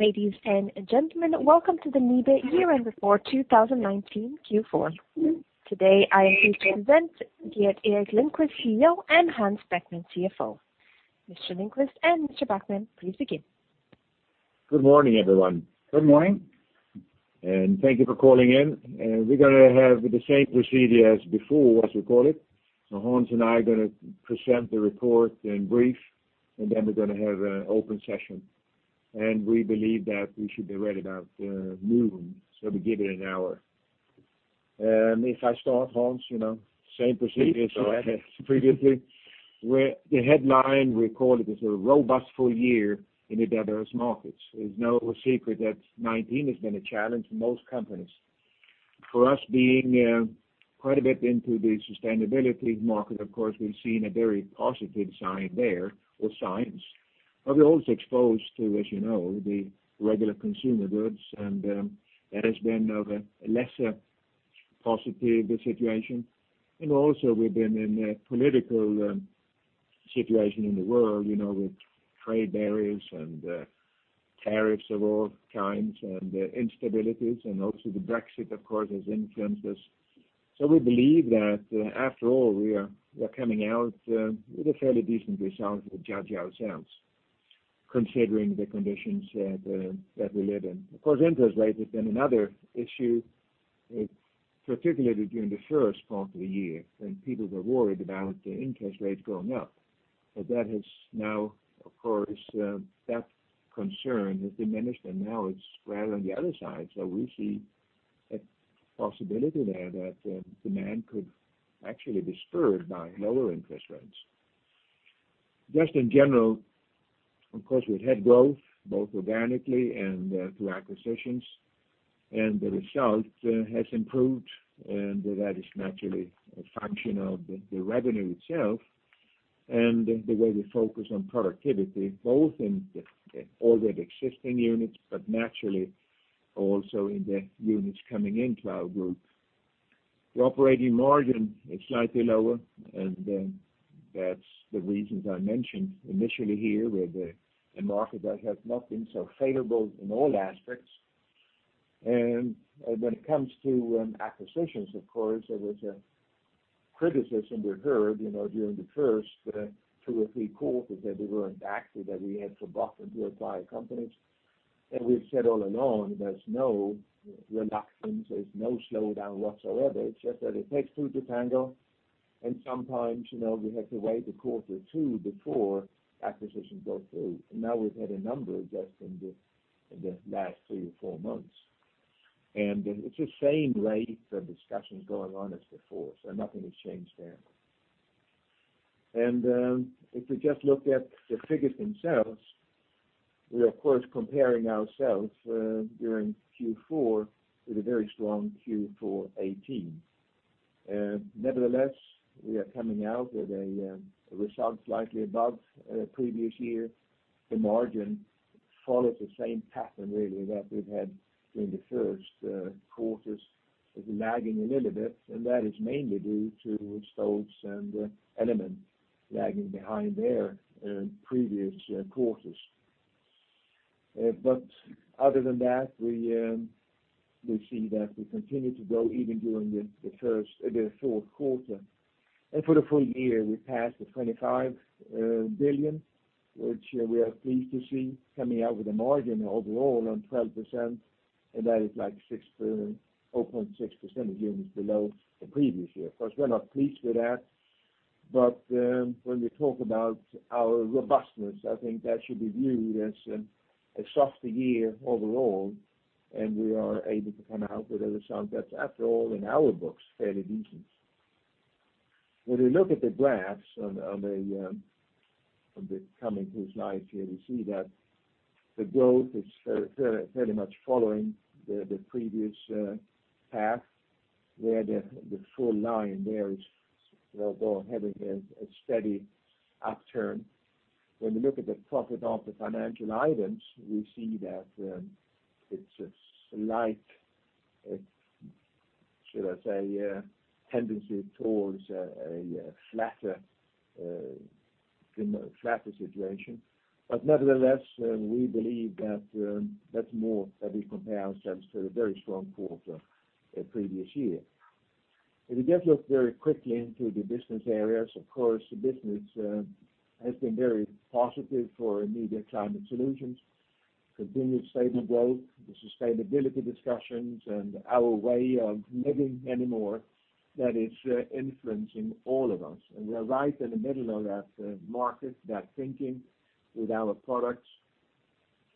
Ladies and gentlemen, welcome to the NIBE Year-End Report 2019 Q4. Today, I am pleased to present Gerteric Lindquist, CEO, and Hans Backman, CFO. Mr. Lindquist and Mr. Backman, please begin. Good morning, everyone. Good morning. Thank you for calling in. We're going to have the same procedure as before, as we call it. Hans and I are going to present the report in brief, and then we're going to have an open session. We believe that we should be ready about noon, so be given an hour. If I start, Hans, same procedure as previously. The headline we called it is a robust full year in a diverse markets. It's no secret that 2019 has been a challenge for most companies. For us being quite a bit into the sustainability market, of course, we've seen a very positive sign there or signs. We're also exposed to, as you know, the regular consumer goods, and that has been of a lesser positive situation. Also, we've been in a political situation in the world, with trade barriers and tariffs of all kinds and instabilities and also the Brexit, of course, has influenced us. We believe that after all, we are coming out with a fairly decent result if we judge ourselves, considering the conditions that we live in. Of course, interest rates has been another issue, particularly during the first part of the year, when people were worried about the interest rates going up. That concern has diminished, and now it's rather on the other side. We see a possibility there that demand could actually be spurred by lower interest rates. Just in general, of course, we've had growth both organically and through acquisitions, and the result has improved, and that is naturally a function of the revenue itself and the way we focus on productivity, both in the already existing units, but naturally also in the units coming into our group. The operating margin is slightly lower, and that's the reasons I mentioned initially here, where the market has not been so favorable in all aspects. When it comes to acquisitions, of course, there was a criticism we heard, during the first two or three quarters that we were inactive, that we had to buff and to acquire companies. We've said all along, there's no reluctance, there's no slowdown whatsoever. It's just that it takes two to tango, and sometimes, we have to wait a quarter or two before acquisitions go through. Now we've had a number just in the last three or four months. It's the same rate of discussions going on as before, so nothing has changed there. If we just look at the figures themselves, we are, of course, comparing ourselves during Q4 with a very strong Q4 2018. Nevertheless, we are coming out with a result slightly above previous year. The margin follows the same pattern, really, that we've had during the first quarters. It's lagging a little bit, and that is mainly due to Stoves and Element lagging behind their previous quarters. Other than that, we see that we continue to grow even during the fourth quarter. For the full year, we passed 25 billion, which we are pleased to see coming out with a margin overall on 12%, and that is like 0.6% units below the previous year. Of course, we're not pleased with that, but when we talk about our robustness, I think that should be viewed as a softer year overall, and we are able to come out with a result that's, after all, in our books, fairly decent. When we look at the graphs coming to life here, we see that the growth is fairly much following the previous path where the full line there is although having a steady upturn. When we look at the profit of the financial items, we see that it's a slight, should I say, tendency towards a flatter situation. Nevertheless, we believe that that's more that we compare ourselves to the very strong quarter previous year. If we just look very quickly into the business areas, of course, the business has been very positive for Climate Solutions, continued stable growth, the sustainability discussions, and our way of living anymore that is influencing all of us. We are right in the middle of that market, that thinking with our products.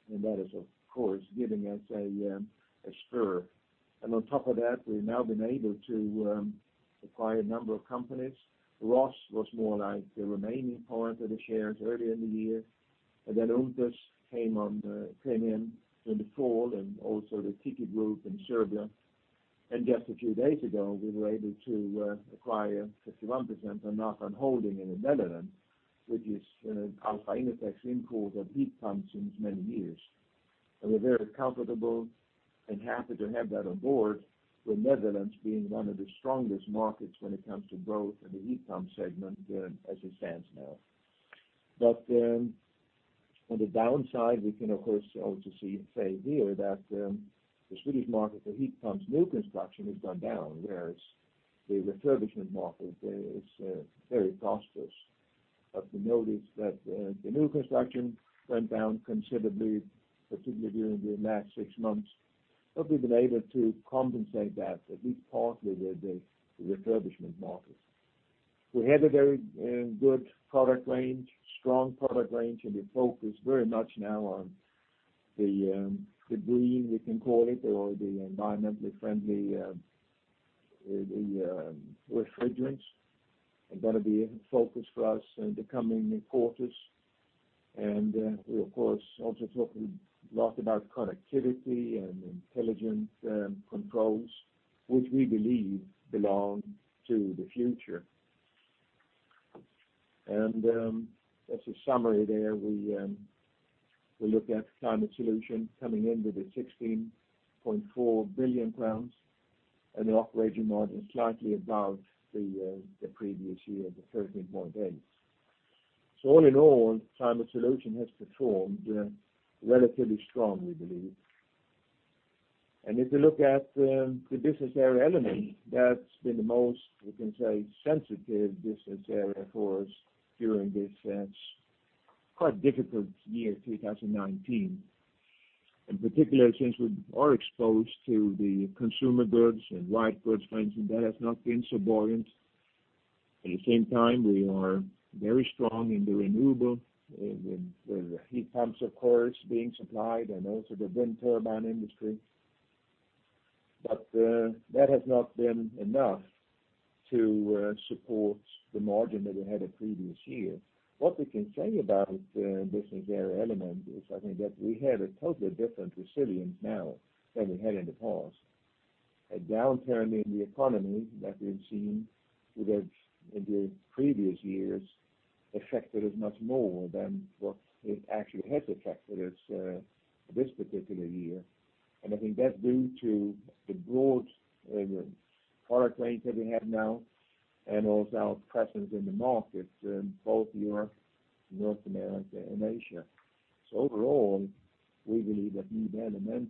That is, of course, giving us a spur. On top of that, we've now been able to acquire a number of companies. Rhoss was more like the remaining part of the shares earlier in the year, and then ÜNTES came in in the fall, and also the Tiki Group in Serbia. Just a few days ago, we were able to acquire 51% of Nathan Holding in the Netherlands, which is alpha innotec's import of heat pumps since many years. We're very comfortable and happy to have that on board, with Netherlands being one of the strongest markets when it comes to growth in the heat pump segment as it stands now. On the downside, we can, of course, also say here that the Swedish market for heat pumps, new construction has gone down, whereas the refurbishment market there is very prosperous. We notice that the new construction went down considerably, particularly during the last six months. We've been able to compensate that, at least partly, with the refurbishment market. We had a very good product range, strong product range, and we focus very much now on the green, we can call it, or the environmentally friendly refrigerants, and that'll be a focus for us in the coming quarters. We, of course, also talk a lot about connectivity and intelligent controls, which we believe belong to the future. As a summary there, we look at Climate Solutions coming in with a 16.4 billion crowns and the operating margin slightly above the previous year at 13.8%. All in all, Climate Solutions has performed relatively strong, we believe. If you look at the Business Area Element, that's been the most, we can say, sensitive business area for us during this quite difficult year 2019. In particular, since we are exposed to the consumer goods and white goods, for instance, that has not been so buoyant. At the same time, we are very strong in the renewable, with the heat pumps, of course, being supplied and also the wind turbine industry. That has not been enough to support the margin that we had the previous year. What we can say about Business Area Element is, I think, that we have a totally different resilience now than we had in the past. A downturn in the economy that we've seen in the previous years affected us much more than what it actually has affected us this particular year. I think that's due to the broad product range that we have now and also our presence in the market in both Europe, North America, and Asia. Overall, we believe that the Element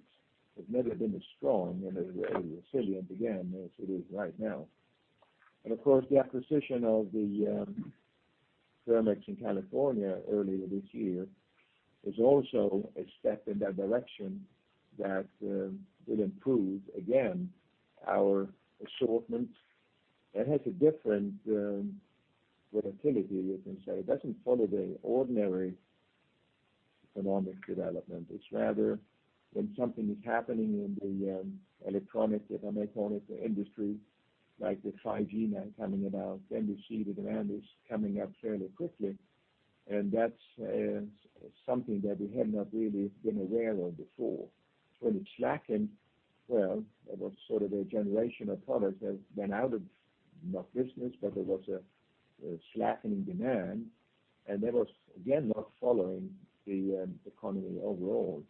has never been as strong and as resilient, again, as it is right now. Of course, the acquisition of the Therm-X in California earlier this year is also a step in that direction that will improve, again, our assortment. It has a different volatility, you can say. It doesn't follow the ordinary economic development. It's rather when something is happening in the electronic, the mechatronic industry, like the 5G now coming about, then we see the demand is coming up fairly quickly, and that's something that we had not really been aware of before. When it slackened, well, it was sort of a generation of product that went out of, not business, but there was a slackening demand, and that was, again, not following the economy overall.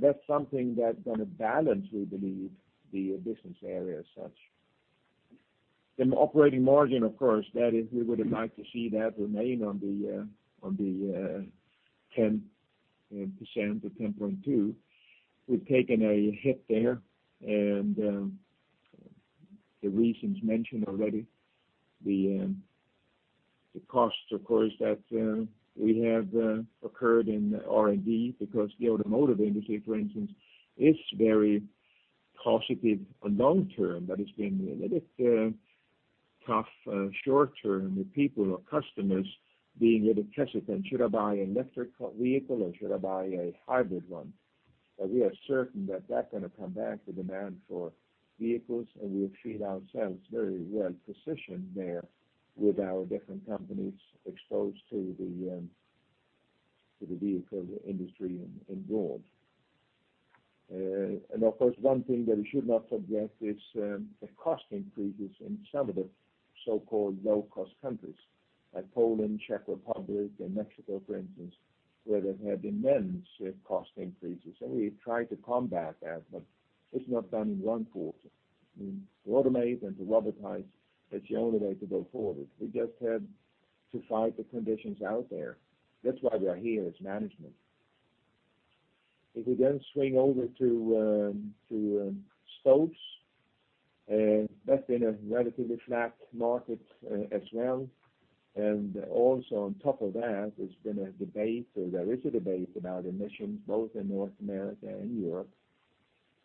That's something that's going to balance, we believe, the business area as such. Operating margin, of course, we would have liked to see that remain on the 10%-10.2%. We've taken a hit there. The reasons mentioned already. The costs, of course, that we have incurred in R&D because the automotive industry, for instance, is very positive long term, but it's been a little tough short term with people or customers being a little hesitant. Should I buy an electric vehicle or should I buy a hybrid one? We are certain that going to come back, the demand for vehicles, and we feel ourselves very well-positioned there with our different companies exposed to the vehicle industry in broad. Of course, one thing that we should not forget is the cost increases in some of the so-called low-cost countries like Poland, Czech Republic, and Mexico, for instance, where they've had immense cost increases. We try to combat that, but it's not done in one quarter. To automate and to robotize, it's the only way to go forward. We just had to fight the conditions out there. That's why we are here as management. If we then swing over to stoves, that's been a relatively flat market as well. Also on top of that, there's been a debate, or there is a debate about emissions both in North America and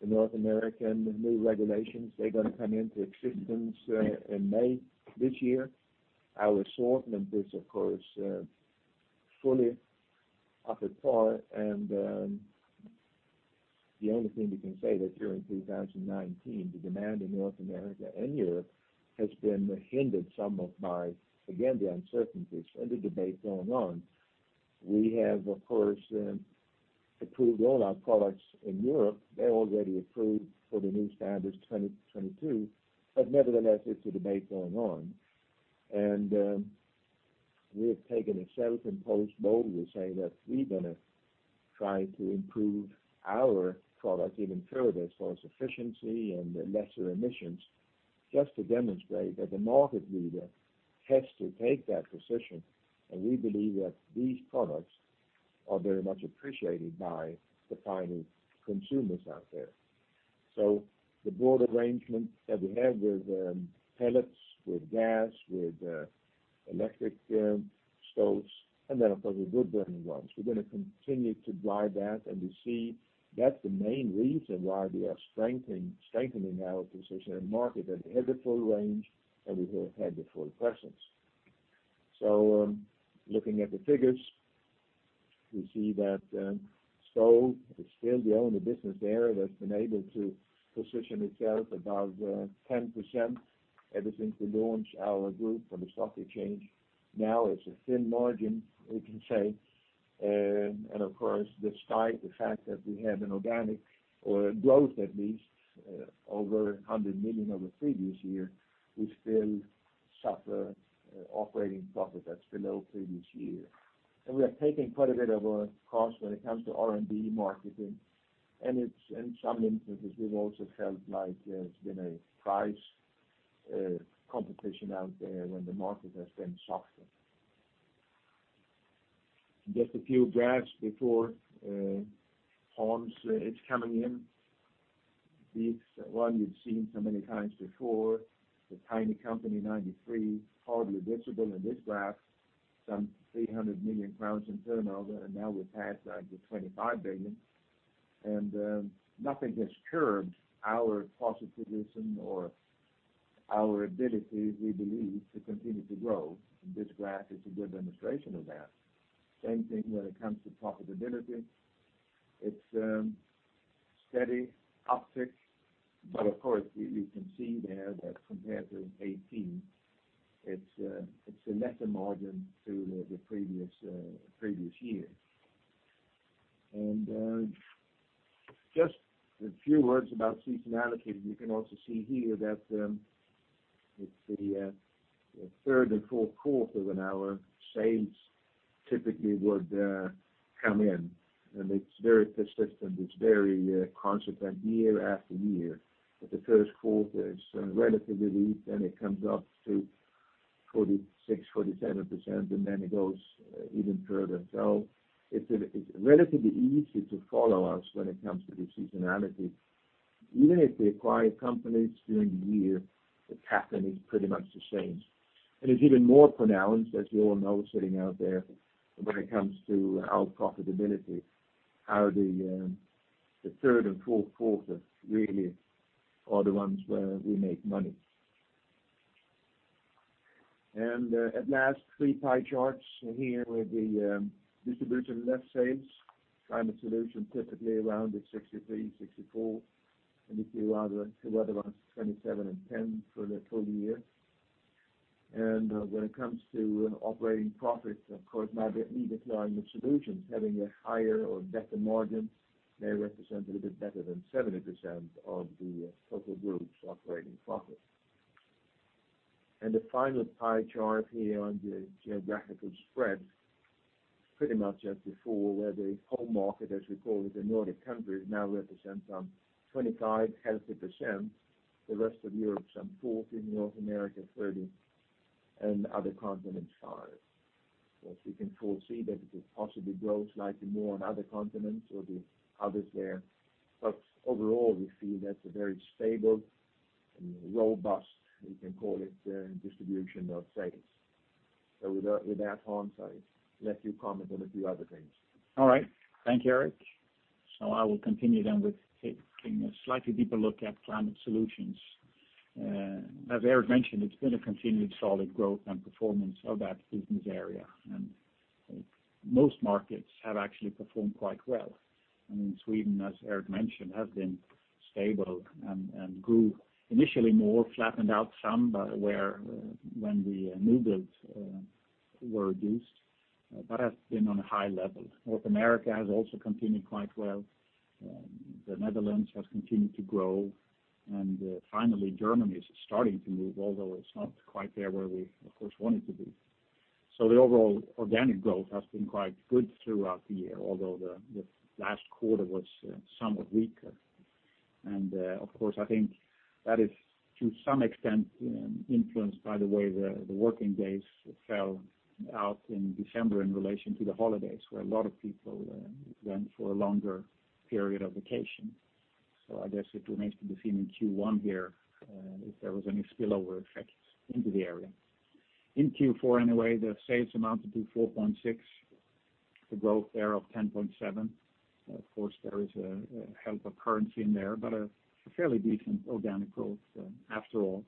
Europe. The North American new regulations, they're going to come into existence in May this year. Our assortment is, of course, fully up at par. The only thing we can say that during 2019, the demand in North America and Europe has been hindered somewhat by, again, the uncertainties and the debate going on. We have, of course, approved all our products in Europe. They're already approved for the new standards 2022. Nevertheless, it's a debate going on. We have taken a self-imposed goal to say that we're going to try to improve our product even further as far as efficiency and lesser emissions, just to demonstrate that the market leader has to take that position, and we believe that these products are very much appreciated by the final consumers out there. The broad arrangement that we have with pellets, with gas, with electric stoves, and then, of course, the wood-burning ones. We're going to continue to drive that, and we see that's the main reason why we are strengthening our position in the market, that we have the full range, and we have had the full presence. Looking at the figures, we see that stoves is still the only business area that's been able to position itself above 10% ever since we launched our group on the stock exchange. Now it's a thin margin, we can say. Of course, despite the fact that we have an organic or growth, at least, over 100 million over previous year, we still suffer operating profit that's below previous year. We are taking quite a bit of a cost when it comes to R&D marketing, and in some instances, we've also felt like there's been a price competition out there when the market has been softer. Just a few graphs before Hans is coming in. This one you've seen so many times before. The tiny company 1993, hardly visible in this graph. Some 300 million crowns in turnover, and now we're past the 25 billion. Nothing has curbed our positivism or our ability, we believe, to continue to grow. This graph is a good demonstration of that. Same thing when it comes to profitability. It's a steady uptick. Of course, you can see there that compared to 2018, it's a lesser margin to the previous year. Just a few words about seasonality. You can also see here that it's the third and fourth quarter when our sales typically would come in. It's very persistent, it's very consequent year after year. The first quarter is relatively weak, then it comes up to 46%, 47%. Then it goes even further. It's relatively easy to follow us when it comes to the seasonality. Even if we acquire companies during the year, the pattern is pretty much the same. It's even more pronounced, as you all know, sitting out there, when it comes to our profitability, how the third and fourth quarters really are the ones where we make money. At last, three pie charts here with the distribution of net sales. Climate Solutions, typically around 63%-64%. If you add the other ones, 27% and 10% for the full year. When it comes to operating profits, of course, neither Climate nor Solutions, having a higher or better margin, they represent a little bit better than 70% of the total group's operating profit. The final pie chart here on the geographical spread, pretty much as before, where the home market, as we call it, the Nordic countries, now represents some 25%-30%. The rest of Europe, some 14%. North America, 30%. Other continents, 5%. Of course, we can foresee that it will possibly grow slightly more on other continents or the others there. Overall, we see that's a very stable and robust, you can call it, distribution of sales. With that, Hans, I let you comment on a few other things. All right. Thank you, Gerteric. I will continue then with taking a slightly deeper look at Climate Solutions. As Gerteric mentioned, it's been a continued solid growth and performance of that business area, and most markets have actually performed quite well. Sweden, as Gerteric mentioned, has been stable and grew initially more, flattened out some when the new builds were reduced. Has been on a high level. North America has also continued quite well. The Netherlands has continued to grow. Finally, Germany is starting to move, although it's not quite there where we, of course, want it to be. The overall organic growth has been quite good throughout the year, although the last quarter was somewhat weaker. I think that is, to some extent, influenced by the way the working days fell out in December in relation to the holidays, where a lot of people went for a longer period of vacation. I guess it remains to be seen in Q1 here, if there was any spillover effects into the area. In Q4 anyway, the sales amounted to 4.6. The growth there of 10.7%. There is a help of currency in there, but a fairly decent organic growth after all,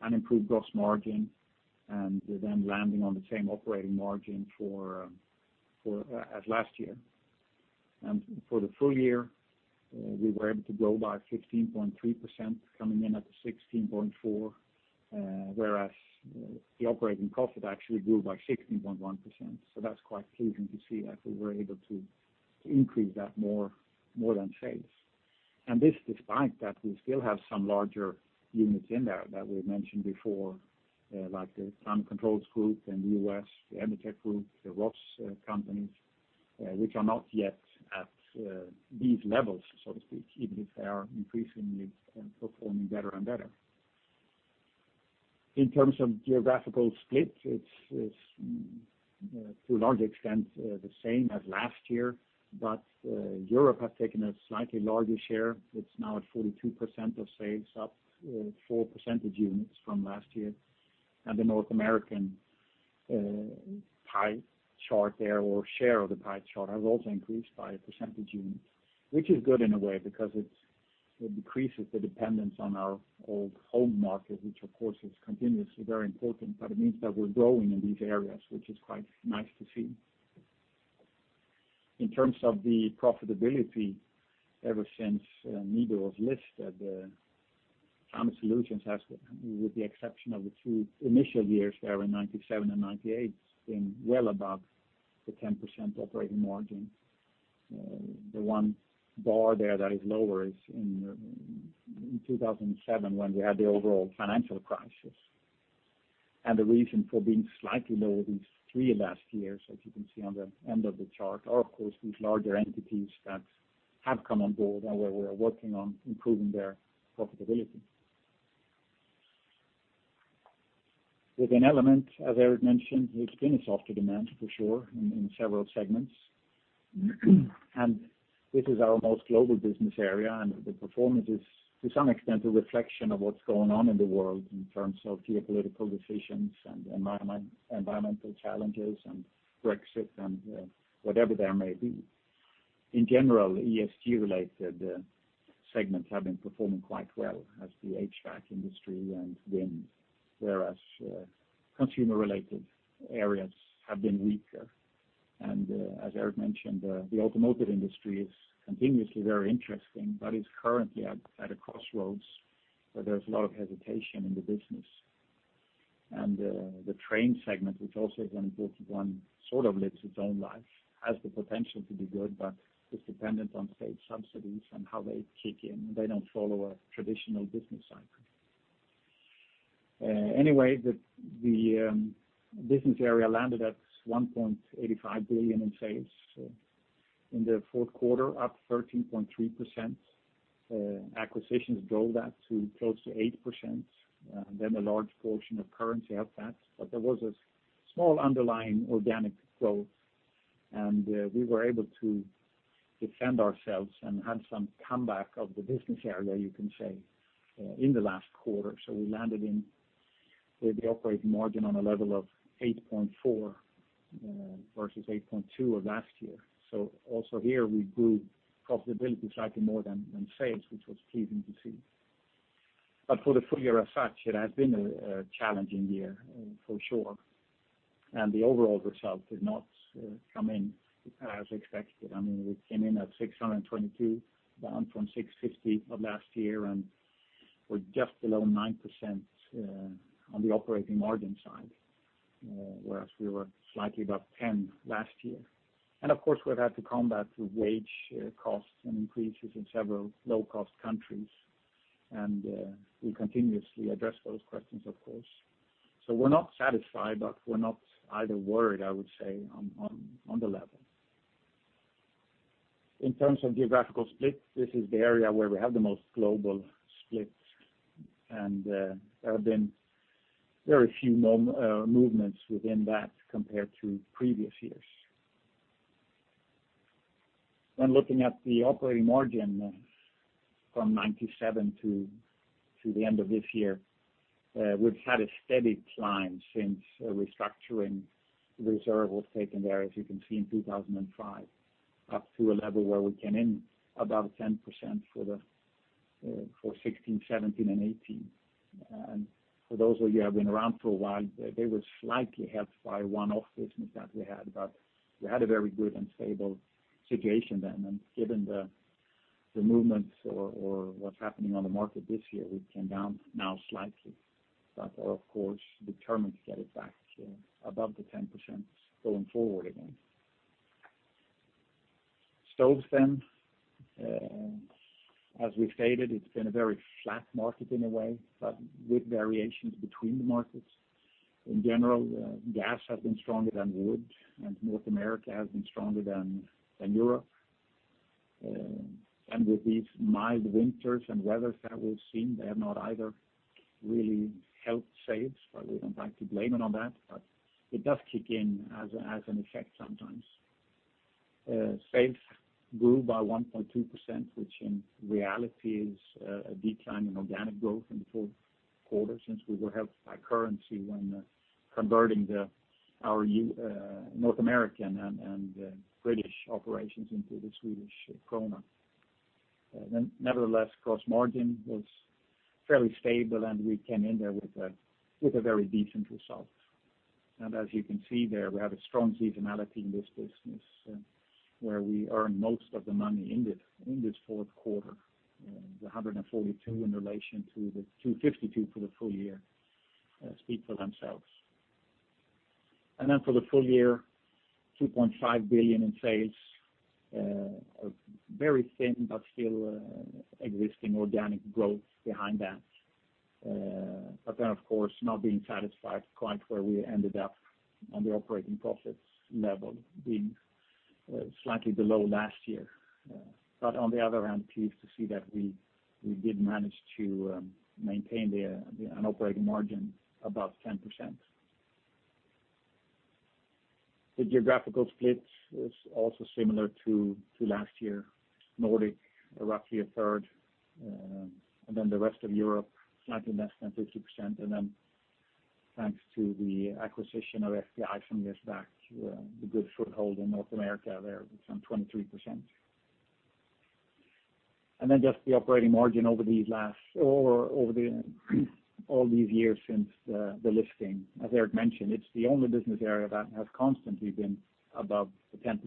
and improved gross margin, and then landing on the same operating margin as last year. For the full year, we were able to grow by 15.3%, coming in at 16.4%. Whereas the operating profit actually grew by 16.1%. That's quite pleasing to see that we were able to increase that more than sales. This despite that we still have some larger units in there that we've mentioned before, like the Climate Control Group in the U.S., the IMCS Group, the Rhoss companies, which are not yet at these levels, so to speak, even if they are increasingly performing better and better. In terms of geographical split, it's to a large extent the same as last year, but Europe has taken a slightly larger share. It's now at 42% of sales, up four percentage units from last year. The North American pie chart there, or share of the pie chart, has also increased by a percentage unit, which is good in a way because it decreases the dependence on our old home market, which of course is continuously very important, but it means that we're growing in these areas, which is quite nice to see. In terms of the profitability, ever since NIBE was listed, Climate Solutions has, with the exception of the two initial years there in 1997 and 1998, been well above the 10% operating margin. The one bar there that is lower is in 2007 when we had the overall financial crisis. The reason for being slightly lower these three last years, as you can see on the end of the chart, are of course these larger entities that have come on board and where we're working on improving their profitability. With an element, as Gerteric mentioned, it's been a softer demand for sure in several segments. This is our most global business area, and the performance is, to some extent, a reflection of what's going on in the world in terms of geopolitical decisions and environmental challenges and Brexit and whatever there may be. In general, ESG-related segments have been performing quite well as the HVAC industry and wind, whereas consumer-related areas have been weaker. As Gerteric mentioned, the automotive industry is continuously very interesting, but is currently at a crossroads where there's a lot of hesitation in the business. The train segment, which also is an important one, sort of lives its own life, has the potential to be good, but it's dependent on state subsidies and how they kick in. They don't follow a traditional business cycle. Anyway, the business area landed at 1.85 billion in sales in the fourth quarter, up 13.3%. Acquisitions drove that to close to 8%, a large portion of currency effects. There was a small underlying organic growth, and we were able to defend ourselves and had some comeback of the business area, you can say, in the last quarter. We landed in with the operating margin on a level of 8.4% versus 8.2% of last year. Also here we grew profitability slightly more than sales, which was pleasing to see. For the full year as such, it has been a challenging year for sure. The overall result did not come in as expected. I mean, we came in at 622, down from 650 of last year, and we're just below 9% on the operating margin side. Whereas we were slightly above 10% last year. Of course, we've had to combat with wage costs and increases in several low-cost countries. We continuously address those questions, of course. We're not satisfied, but we're not either worried, I would say, on the level. In terms of geographical split, this is the area where we have the most global splits, and there have been very few movements within that compared to previous years. When looking at the operating margin from 1997 to the end of this year, we've had a steady climb since a restructuring reserve was taken there, as you can see, in 2005, up to a level where we came in above 10% for 2016, 2017, and 2018. For those of you have been around for a while, they were slightly helped by one-off business that we had, but we had a very good and stable situation then. Given the movements or what's happening on the market this year, we came down now slightly, but are of course determined to get it back above the 10% going forward again. Stoves then. As we stated, it's been a very flat market in a way, but with variations between the markets. In general, gas has been stronger than wood, and North America has been stronger than Europe. With these mild winters and weather that we've seen, they have not either really helped sales. We don't like to blame it on that, but it does kick in as an effect sometimes. Sales grew by 1.2%, which in reality is a decline in organic growth in the fourth quarter since we were helped by currency when converting our North American and British operations into the Swedish krona. Nevertheless, gross margin was fairly stable, and we came in there with a very decent result. As you can see there, we have a strong seasonality in this business, where we earn most of the money in this fourth quarter, the 142 in relation to the 252 for the full year speak for themselves. For the full year, 2.5 billion in sales are very thin, but still existing organic growth behind that. Of course, not being satisfied quite where we ended up on the operating profits level being slightly below last year. On the other hand, pleased to see that we did manage to maintain an operating margin above 10%. The geographical split is also similar to last year, Nordic, roughly a third, and then the rest of Europe, slightly less than 50%. Thanks to the acquisition of FPI some years back, the good foothold in North America there with some 23%. Then just the operating margin over all these years since the listing. As Gerteric mentioned, it's the only business area that has constantly been above the 10%.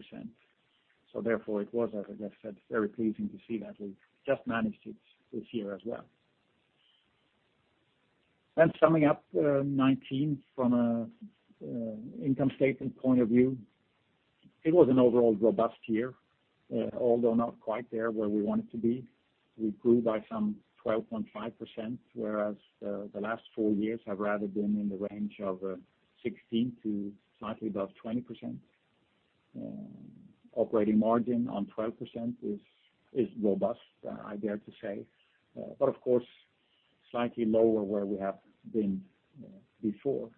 Therefore, it was, as I just said, very pleasing to see that we've just managed it this year as well. Summing up 2019 from income statement point of view, it was an overall robust year. Although not quite there where we wanted to be, we grew by some 12.5%, whereas the last four years have rather been in the range of 16%-20%. Operating margin on 12% is robust, I dare to say, but of course, slightly lower where we have been before.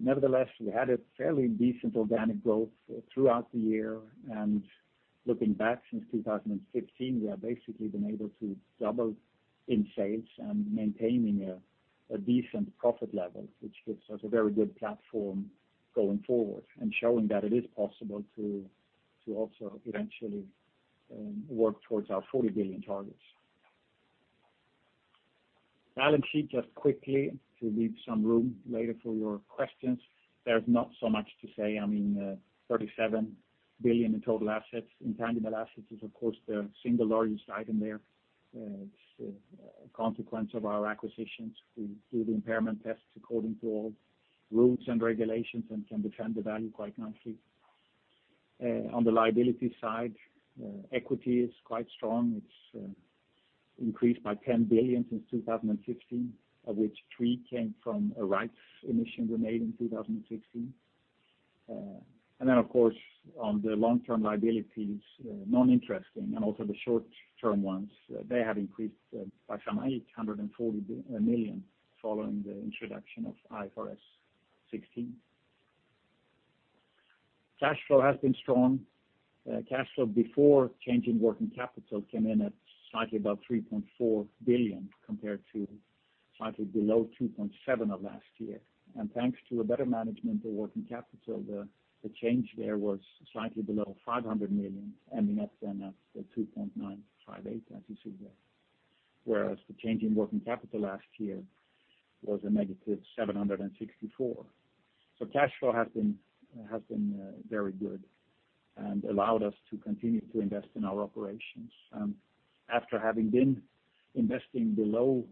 Nevertheless, we had a fairly decent organic growth throughout the year. Looking back since 2015, we have basically been able to double in sales maintaining a decent profit level, which gives us a very good platform going forward showing that it is possible to also eventually work towards our 40 billion targets. Balance sheet, just quickly to leave some room later for your questions. There is not so much to say. I mean, 37 billion in total assets. Intangible assets is, of course, the single largest item there. It is a consequence of our acquisitions. We do the impairment tests according to all rules and regulations can defend the value quite nicely. On the liability side, equity is quite strong. It has increased by 10 billion since 2016, of which 3 billion came from a rights issue we made in 2016. Then, of course, on the long-term liabilities, non-interesting and also the short-term ones, they have increased by some 840 million following the introduction of IFRS 16. Cash flow has been strong. Cash flow before change in working capital came in at slightly above 3.4 billion, compared to slightly below 2.7 billion of last year. Thanks to a better management of working capital, the change there was slightly below 500 million, ending up then at the 2.958 billion, as you see there. Whereas the change in working capital last year was a negative 764 million. Cash flow has been very good and allowed us to continue to invest in our operations. After having been investing below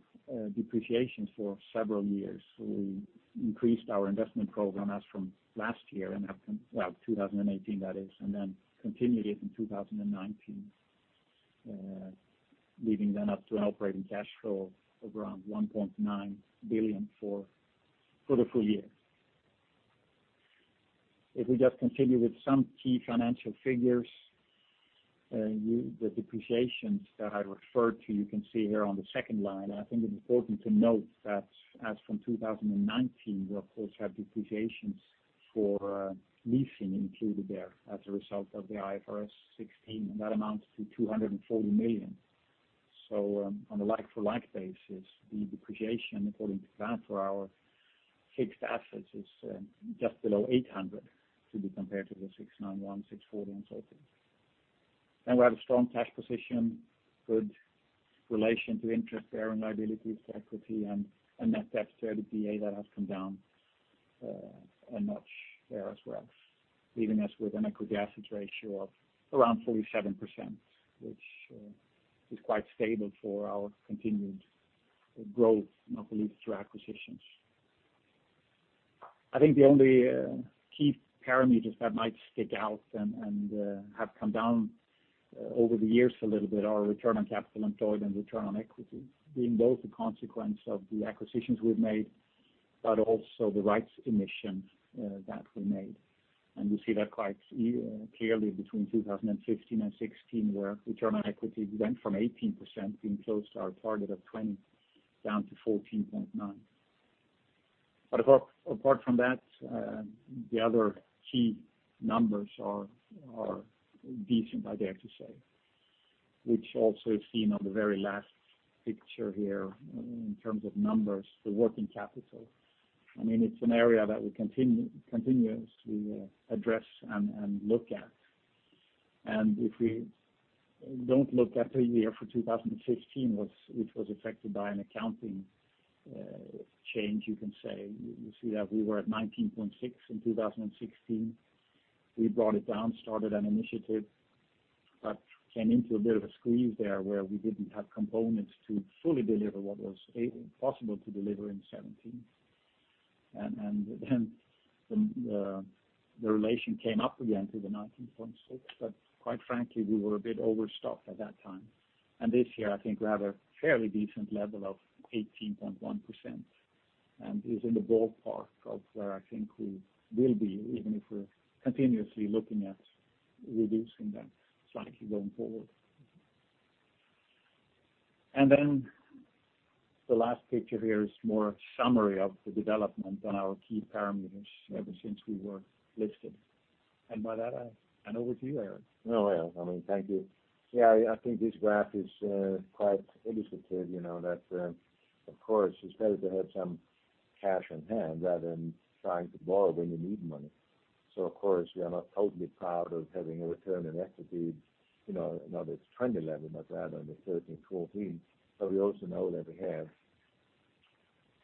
depreciation for several years, we increased our investment program as from last year, well, 2018 that is, then continued it in 2019, leaving then up to an operating cash flow of around 1.9 billion for the full year. We just continue with some key financial figures, the depreciations that I referred to, you can see here on the second line. I think it's important to note that as from 2019, we of course have depreciations for leasing included there as a result of the IFRS 16, that amounts to 240 million. On a like-for-like basis, the depreciation according to that for our fixed assets is just below 800 to be compared to the 691, 640, so forth. We have a strong cash position, good relation to interest bearing liabilities to equity and net debt to EBITDA that has come down a notch there as well, leaving us with an equity assets ratio of around 47%, which is quite stable for our continued growth, not least through acquisitions. I think the only key parameters that might stick out and have come down over the years a little bit are return on capital employed and return on equity, being both a consequence of the acquisitions we've made, but also the rights emission that we made. We see that quite clearly between 2015 and 2016, where return on equity went from 18% being close to our target of 20% down to 14.9%. Apart from that, the other key numbers are decent, I dare to say, which also is seen on the very last picture here in terms of numbers, the working capital. I mean, it's an area that we continuously address and look at. If we don't look at the year for 2015, which was affected by an accounting change, you can say. You see that we were at 19.6 in 2016. We brought it down, started an initiative, but came into a bit of a squeeze there where we didn't have components to fully deliver what was possible to deliver in 2017. Then the relation came up again to the 19.6. Quite frankly, we were a bit overstaffed at that time. This year, I think we have a fairly decent level of 18.1%, and is in the ballpark of where I think we will be, even if we're continuously looking at reducing that slightly going forward. The last picture here is more a summary of the development on our key parameters ever since we were listed. By that, I hand over to you, Gerteric. I mean, thank you. I think this graph is quite illustrative. Of course, it's better to have some cash in hand rather than trying to borrow when you need money. Of course, we are not totally proud of having a return on equity, not its trending level, but rather in the 13%, 14%. We also know that we have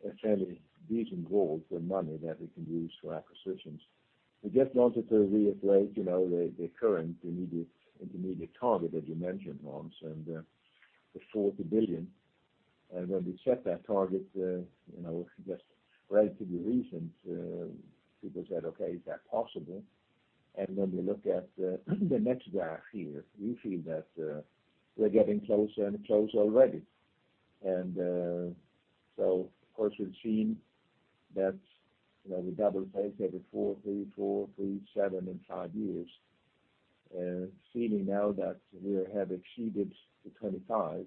a fairly decent vault of money that we can use for acquisitions. I just wanted to reiterate, the current intermediate target that you mentioned, Hans, and the 40 billion. When we set that target, just relatively recent, people said, "Okay, is that possible?" When we look at the next graph here, we feel that we're getting closer and closer already. Of course, we've seen that, we double take every four, three, four, three, seven, and five years. Seeing now that we have exceeded the 25,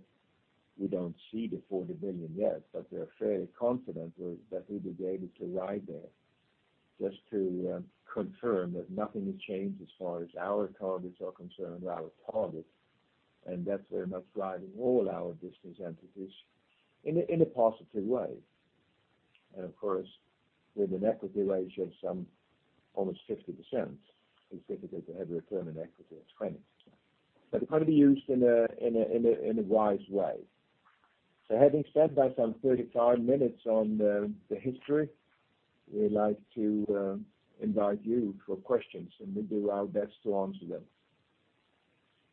we don't see the 40 billion yet, but we're fairly confident that we will be able to ride there. Just to confirm that nothing has changed as far as our targets are concerned. Our target, and that we're not driving all our business entities in a positive way. Of course, with an equity ratio of some almost 50%, it's difficult to have a return on equity of 20%. It's going to be used in a wise way. Having said that, some 35 minutes on the history, we'd like to invite you for questions, and we'll do our best to answer them.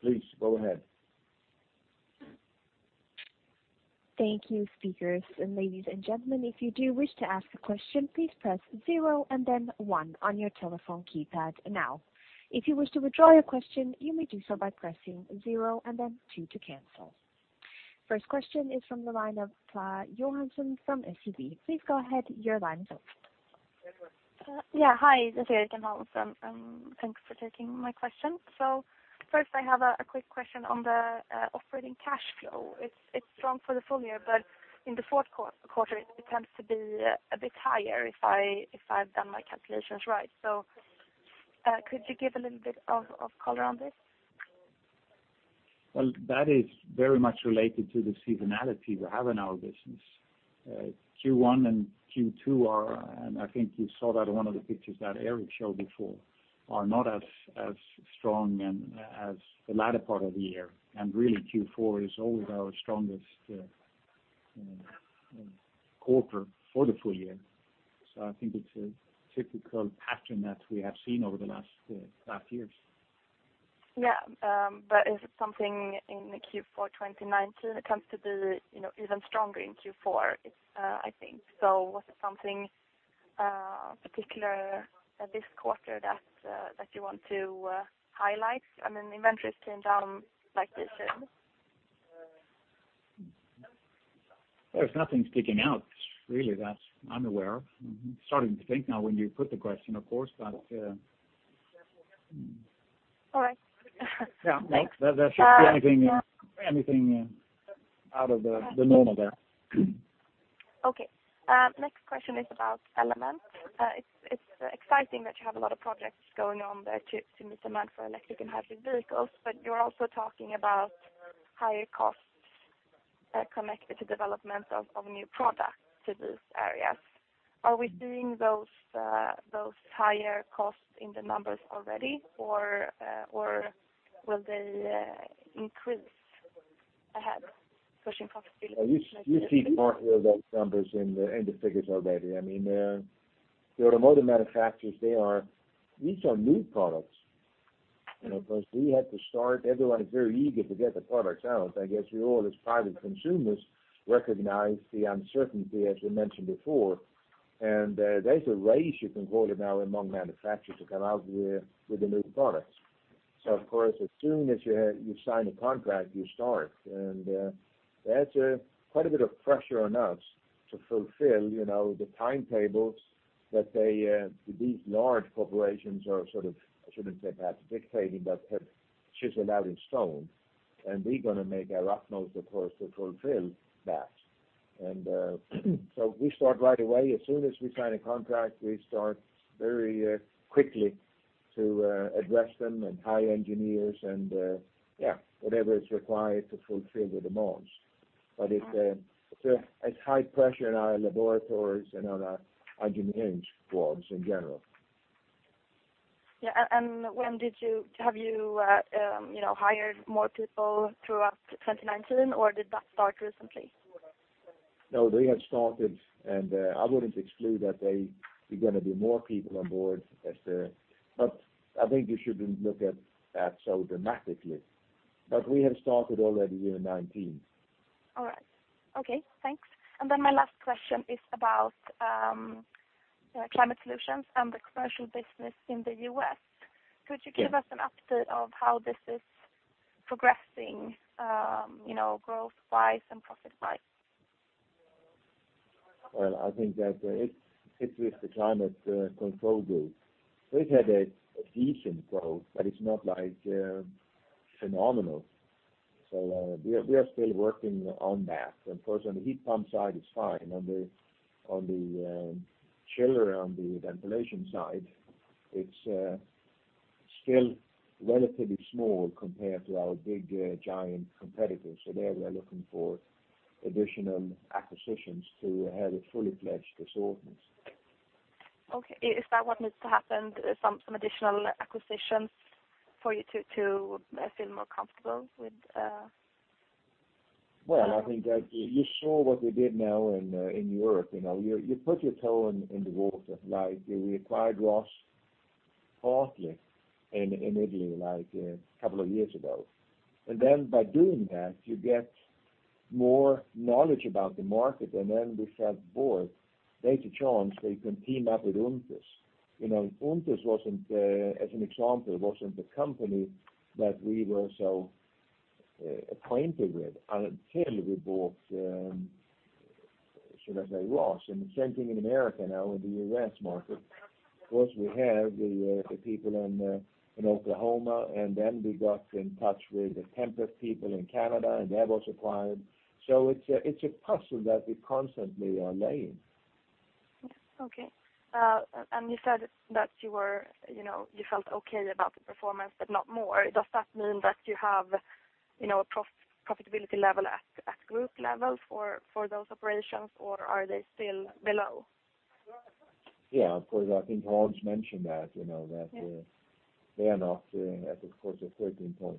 Please go ahead. Thank you, speakers. Ladies and gentlemen, if you do wish to ask a question, please press zero and then one on your telephone keypad now. If you wish to withdraw your question, you may do so by pressing zero and then two to cancel. First question is from the line of Erica Johansson from SEB. Please go ahead, your line's open. Hi, this is Erica Johansson. Thanks for taking my question. First, I have a quick question on the operating cash flow. It's strong for the full year, but in the fourth quarter, it tends to be a bit higher if I've done my calculations right. Could you give a little bit of color on this? Well, that is very much related to the seasonality we have in our business. Q1 and Q2 are, and I think you saw that in one of the pictures that Gerteric showed before, are not as strong as the latter part of the year. Really Q4 is always our strongest quarter for the full year. I think it's a typical pattern that we have seen over the last years. Yeah. Is it something in the Q4 2019 that comes to be even stronger in Q4? I think. Was it something particular this quarter that you want to highlight? I mean, inventories came down like this. There's nothing sticking out really that I'm aware of. I'm starting to think now when you put the question, of course. All right. Yeah. No, there shouldn't be anything out of the normal there. Okay. Next question is about NIBE Element. It's exciting that you have a lot of projects going on there to meet demand for electric and hybrid vehicles, but you are also talking about higher costs connected to development of new products to these areas. Are we seeing those higher costs in the numbers already, or will they increase ahead, pushing profitability? You see part of those numbers in the figures already. I mean, the automotive manufacturers, these are new products. Of course, we had to start. Everyone is very eager to get the products out. I guess we all, as private consumers, recognize the uncertainty, as we mentioned before. There's a race you can call it now among manufacturers to come out with the new products. Of course, as soon as you sign a contract, you start. That's quite a bit of pressure on us to fulfill the timetables that these large corporations are sort of, I shouldn't say perhaps dictating, but have chiseled out in stone. We're going to make our utmost, of course, to fulfill that. We start right away. As soon as we sign a contract, we start very quickly to address them and hire engineers and, yeah, whatever is required to fulfill the demands. It's high pressure in our laboratories and on our engineering squads in general. Yeah. When have you hired more people throughout 2019, or did that start recently? No, they had started, and I wouldn't exclude that there are going to be more people on board. I think you shouldn't look at that so dramatically. We have started already in 2019. All right. Okay, thanks. My last question is about Climate Solutions and the commercial business in the U.S. Could you give us an update of how this is progressing, growth-wise and profit-wise? Well, I think that it's with the Climate Control Group. We've had a decent growth, but it's not phenomenal. We are still working on that. Of course, on the heat pump side, it's fine. On the chiller, on the ventilation side, it's still relatively small compared to our big, giant competitors. There, we are looking for additional acquisitions to have a fully-fledged assortment. Okay. Is that what needs to happen, some additional acquisitions for you to feel more comfortable with? Well, I think that you saw what we did now in Europe. You put your toe in the water. Like we acquired Rhoss in Italy, a couple of years ago. Then by doing that, you get more knowledge about the market, and then we felt, boy, there's a chance that you can team up with ÜNTES. ÜNTES, as an example, wasn't a company that we were so acquainted with until we bought, should I say, Rhoss. The same thing in America now, in the U.S. market. Of course, we have the people in Oklahoma, and then we got in touch with the Tempeff people in Canada, and they were acquired. It's a puzzle that we constantly are laying. Okay. You said that you felt okay about the performance, but not more. Does that mean that you have a profitability level at group level for those operations, or are they still below? Yeah, of course. I think Hans mentioned that. Yeah. They are not doing as, of course, a 13.9.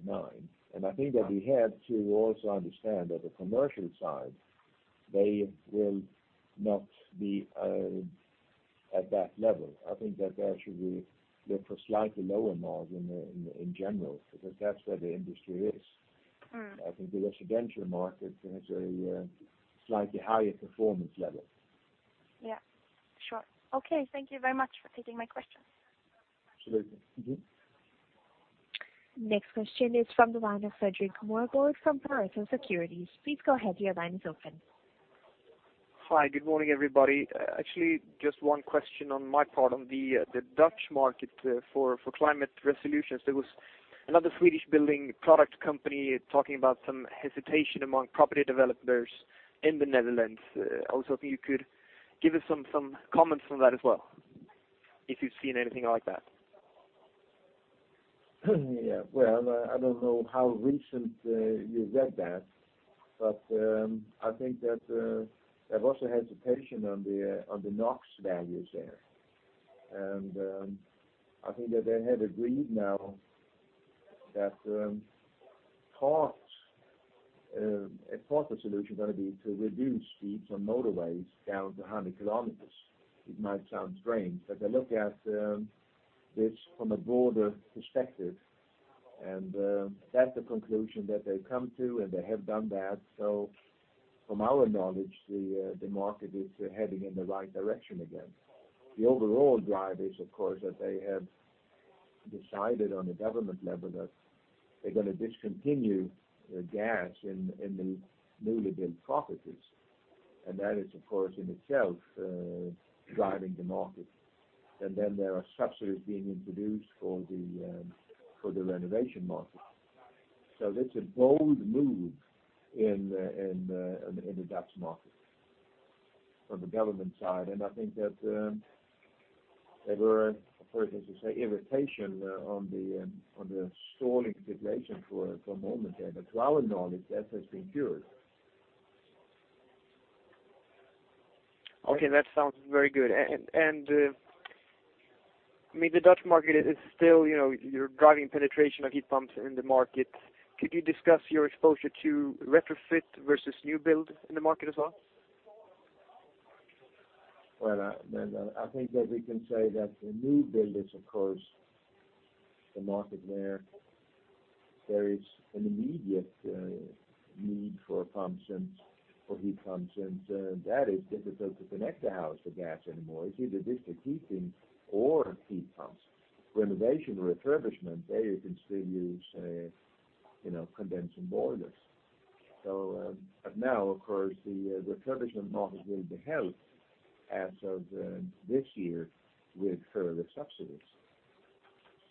I think that we have to also understand that the commercial side, they will not be at that level. I think that there should be look for slightly lower margin in general, because that's where the industry is. I think the residential market has a slightly higher performance level. Yeah. Sure. Okay. Thank you very much for taking my questions. Absolutely. Next question is from the line of Fredrik Moregard from Pareto Securities. Please go ahead. Your line is open. Hi. Good morning, everybody. Actually, just one question on my part on the Dutch market for Climate Solutions. There was another Swedish building product company talking about some hesitation among property developers in the Netherlands. I was hoping you could give us some comments on that as well, if you've seen anything like that. Yeah. Well, I don't know how recent you read that, but I think that they've also had hesitation on the NOx values there. I think that they have agreed now that a part of the solution is going to be to reduce speeds on motorways down to 100 km. It might sound strange, but they look at this from a broader perspective, and that's the conclusion that they've come to, and they have done that. From our knowledge, the market is heading in the right direction again. The overall drive is, of course, that they have decided on the government level that they're going to discontinue gas in the newly built properties. That is, of course, in itself, driving the market. There are subsidies being introduced for the renovation market. It's a bold move in the Dutch market from the government side. I think that there were, of course, as you say, irritation on the stalling situation for a moment there. To our knowledge, that has been cured. Okay. That sounds very good. The Dutch market is still, you're driving penetration of heat pumps in the market. Could you discuss your exposure to retrofit versus new build in the market as well? I think that we can say that the new build is, of course, the market where there is an immediate need for heat pumps. That is difficult to connect a house to gas anymore. It's either district heating or heat pumps. Renovation or refurbishment, there you can still use condensing boilers. Now, of course, the refurbishment market will be helped as of this year with further subsidies.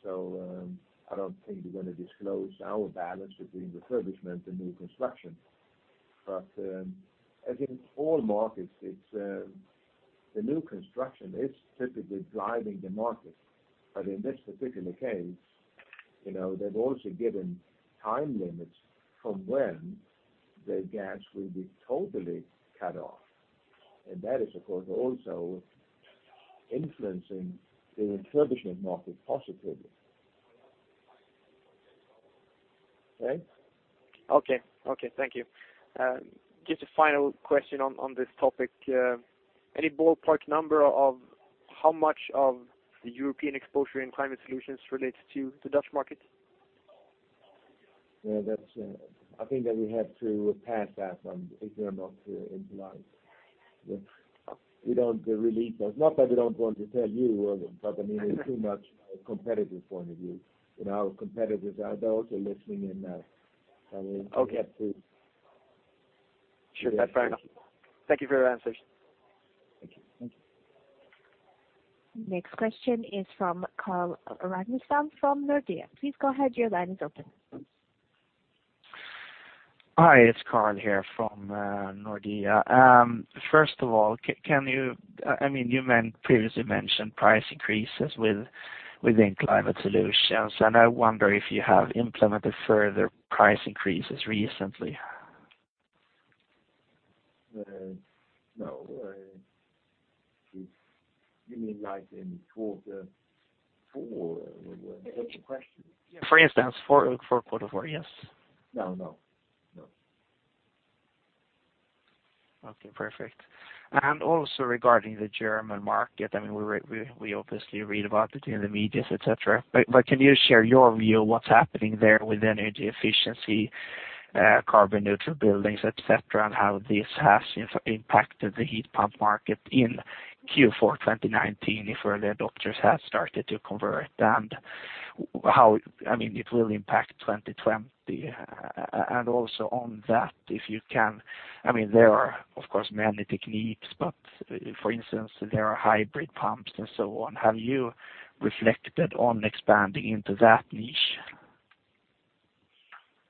I don't think we're going to disclose our balance between refurbishment and new construction. As in all markets, the new construction is typically driving the market. In this particular case, they've also given time limits from when the gas will be totally cut off. That is, of course, also influencing the refurbishment market positively. Okay. Okay. Thank you. Just a final question on this topic. Any ballpark number of how much of the European exposure in Climate Solutions relates to the Dutch market? I think that we have to pass that on if we are not in line. We don't release those. Not that we don't want to tell you, but it's too much competitive point of view, and our competitors are also listening in. Okay. Sure. That's fair enough. Thank you for your answers. Thank you. Next question is from Carl Ragnerstam from Nordea. Please go ahead. Your line is open. Hi, it's Carl here from Nordea. First of all, you previously mentioned price increases within Climate Solutions. I wonder if you have implemented further price increases recently. No. You mean like in quarter four? What's the question? For instance, for quarter four, yes. No. Okay, perfect. Also regarding the German market, we obviously read about it in the media, et cetera. Can you share your view of what's happening there with energy efficiency, carbon neutral buildings, et cetera, and how this has impacted the heat pump market in Q4 2019, if early adopters have started to convert, and how it will impact 2020? Also on that, if you can, there are, of course, many techniques, but for instance, there are hybrid pumps and so on. Have you reflected on expanding into that niche?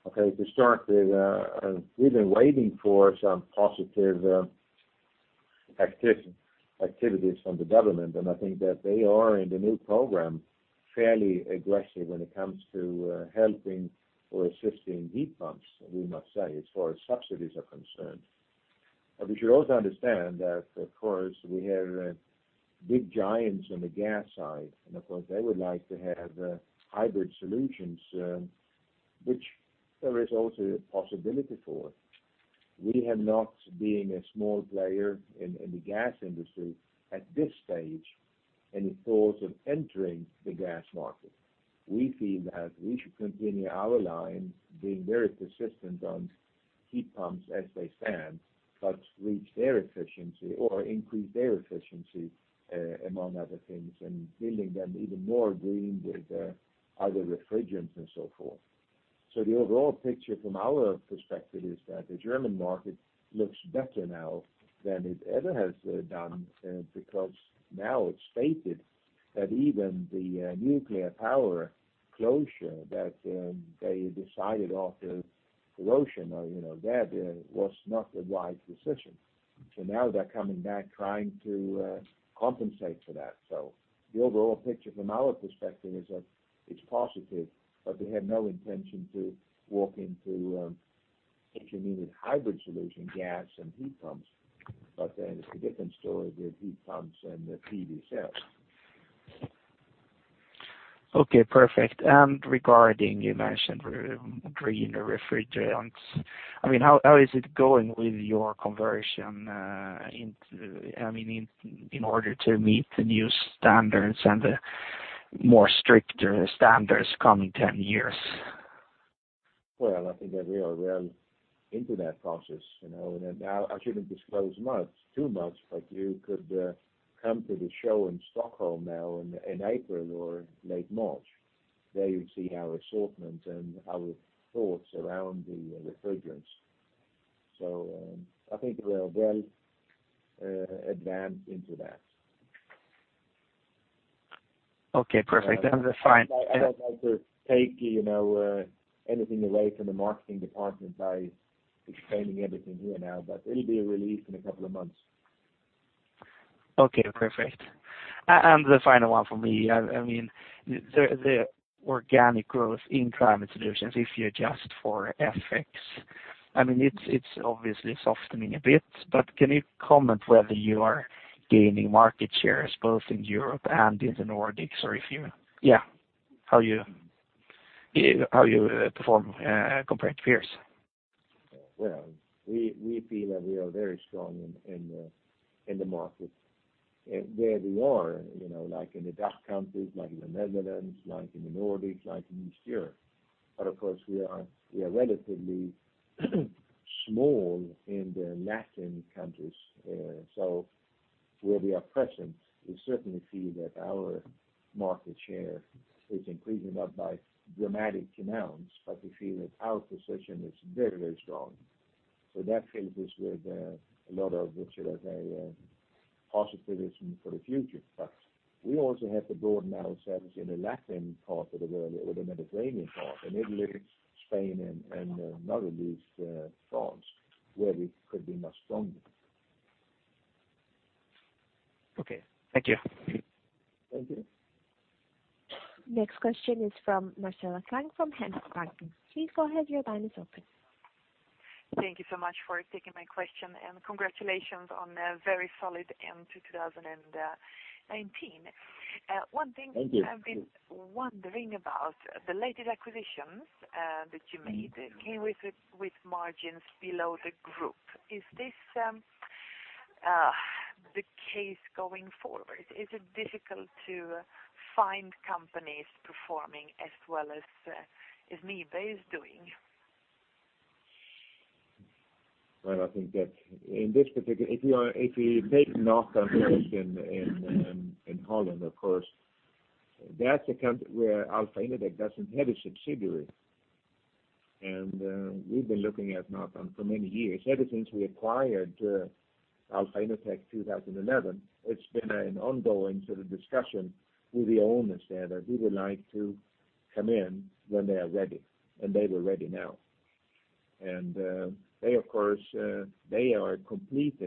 Okay. To start with, we've been waiting for some positive activities from the government. I think that they are, in the new program, fairly aggressive when it comes to helping or assisting heat pumps, we must say, as far as subsidies are concerned. We should also understand that, of course, we have big giants on the gas side, and of course, they would like to have hybrid solutions, which there is also a possibility for. We have not, being a small player in the gas industry at this stage, any thoughts of entering the gas market. We feel that we should continue our line being very persistent on heat pumps as they stand, but reach their efficiency or increase their efficiency, among other things, and making them even more green with other refrigerants and so forth. The overall picture from our perspective is that the German market looks better now than it ever has done, because now it's stated that even the nuclear power closure that they decided after the ocean, or that was not a wise decision. Now they're coming back trying to compensate for that. The overall picture from our perspective is that it's positive, but we have no intention to walk into intermediate hybrid solution gas and heat pumps. It's a different story with heat pumps and the PV cells. Okay, perfect. Regarding, you mentioned greener refrigerants. How is it going with your conversion in order to meet the new standards and the more stricter standards coming 10 years? Well, I think that we are well into that process. Now I shouldn't disclose too much, but you could come to the show in Stockholm now in April or late March. There you'll see our assortment and our thoughts around the refrigerants. I think we are well advanced into that. Okay, perfect. That was fine. I don't like to take anything away from the marketing department by explaining everything here now, but it'll be released in a couple of months. Okay, perfect. The final one for me, the organic growth in Climate Solutions, if you adjust for FX, it's obviously softening a bit. Can you comment whether you are gaining market shares both in Europe and in the Nordics? Yeah How you perform compared to peers? Well, we feel that we are very strong in the market where we are, like in the Dutch countries, like in the Netherlands, like in the Nordics, like in East Europe. Of course, we are relatively small in the Latin countries. Where we are present, we certainly feel that our market share is increasing, not by dramatic amounts, but we feel that our position is very strong. That fills us with a lot of, what should I say, positivism for the future. We also have to broaden ourselves in the Latin part of the world or the Mediterranean part, in Italy, Spain, and not at least France, where we could be much stronger. Okay. Thank you. Next question is from Marcela Klang of Handelsbanken. Please go ahead. Your line is open. Thank you so much for taking my question, and congratulations on a very solid end to 2019. Thank you. One thing I've been wondering about, the latest acquisitions that you made came with margins below the group. Is this the case going forward? Is it difficult to find companies performing as well as NIBE is doing? Well, I think that if we take Nathan position in Holland, of course, that's a country where alpha innotec doesn't have a subsidiary. We've been looking at Nathan for many years. Ever since we acquired alpha innotec in 2011, it's been an ongoing sort of discussion with the owners there that we would like to come in when they are ready, and they were ready now. They are a complete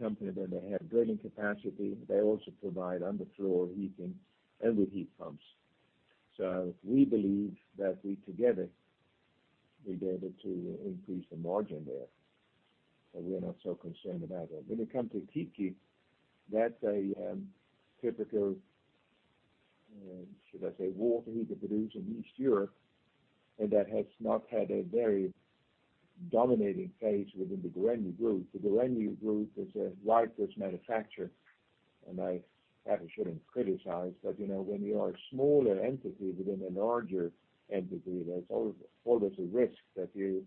company that they have drilling capacity. They also provide underfloor heating and with heat pumps. We believe that we together be able to increase the margin there. We're not so concerned about that. When it comes to Tiki, that's a typical, should I say, water heater produced in East Europe, and that has not had a very dominating phase within the Grundfos Group. The Grundfos Group is a leading manufacturer. I perhaps shouldn't criticize, when you are a smaller entity within a larger entity, there's always a risk that you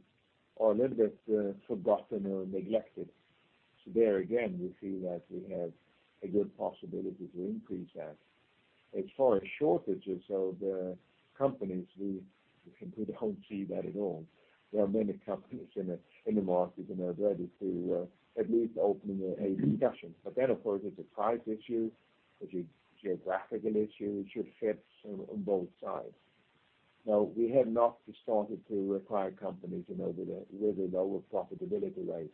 are a little bit forgotten or neglected. There again, we feel that we have a good possibility to increase that. As far as shortages of the companies, we completely don't see that at all. There are many companies in the market. They're ready to at least open a discussion. Of course, it's a price issue. It's a geographical issue. It should fit on both sides. We have not started to acquire companies with a lower profitability rate.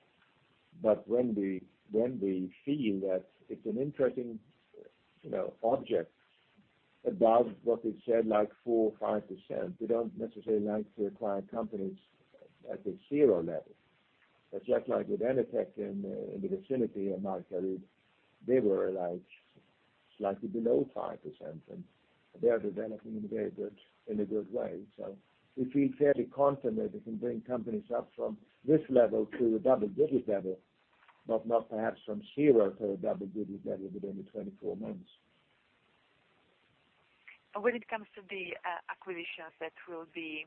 When we feel that it's an interesting object above what is said, like 4% or 5%, we don't necessarily like to acquire companies at the zero level. Just like with Innotec in the vicinity of Marktredwitz, they were slightly below 5%, and they are developing in a good way. We feel fairly confident we can bring companies up from this level to a double-digit level, but not perhaps from zero to a double-digit level within the 24 months. When it comes to the acquisitions that will be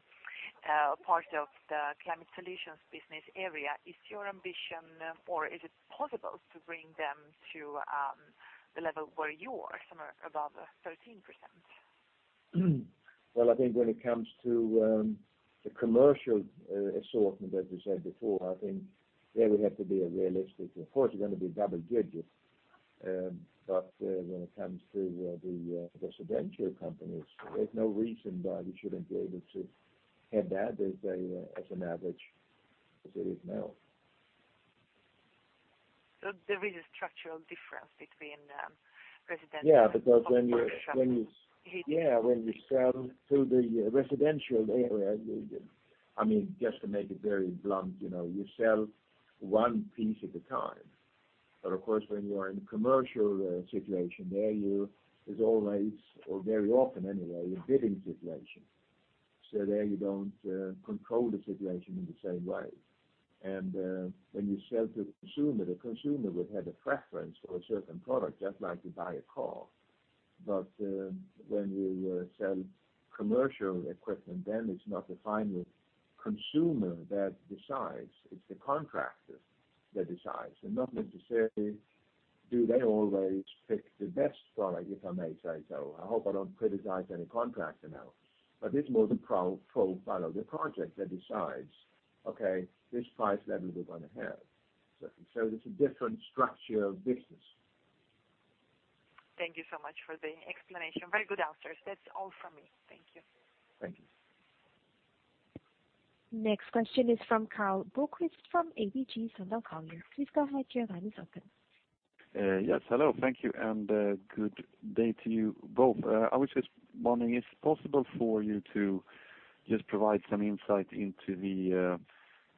part of the Climate Solutions business area, is your ambition or is it possible to bring them to the level where you are, somewhere above 13%? Well, I think when it comes to the commercial assortment, as you said before, I think there we have to be realistic. Of course, we're going to be double digits. When it comes to the residential companies, there's no reason why we shouldn't be able to head that as an average as it is now. There is a structural difference between residential and commercial? Yeah, when you sell to the residential area, just to make it very blunt, you sell one piece at a time. Of course, when you are in a commercial situation there's always or very often anyway, a bidding situation. There you don't control the situation in the same way. When you sell to the consumer, the consumer would have a preference for a certain product, just like you buy a car. When you sell commercial equipment, then it's not the final consumer that decides, it's the contractor that decides. Not necessarily do they always pick the best product, if I may say so. I hope I don't criticize any contractor now, but it's more the profile of the project that decides, okay, this price level we're going to have. It's a different structure of business. Thank you so much for the explanation. Very good answers. That's all from me. Thank you. Thank you. Next question is from Karl Bokvist from ABG Sundal Collier. Please go ahead. Your line is open. Yes. Hello. Thank you, and good day to you both. I was just wondering, is it possible for you to just provide some insight into the,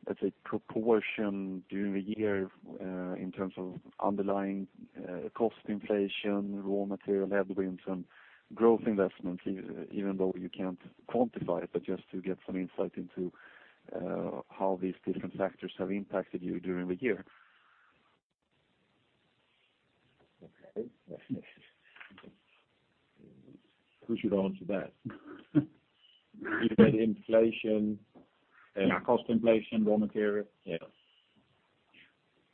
let's say, proportion during the year in terms of underlying cost inflation, raw material headwinds, and growth investments, even though you can't quantify it, but just to get some insight into how these different factors have impacted you during the year? Okay. Who should answer that? Cost inflation, raw material? Yeah.